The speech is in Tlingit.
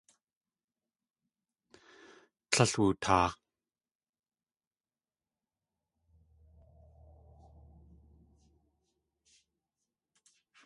Tlél wutaa.